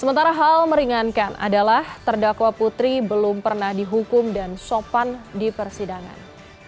sementara hal meringankan adalah terdakwa putri belum pernah dihukum dan sopan di persidangan